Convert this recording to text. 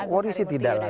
worry sih tidak lah